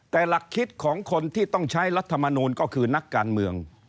แต่หลักคิดของคนที่ต้องใช้รัฐมนูลก็คือนักการเมือง